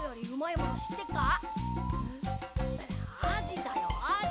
アジだよアジ。